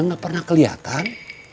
gak pernah kelihatan